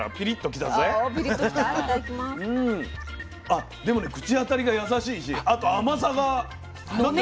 あっでもね口当たりが優しいしあと甘さが。飲める。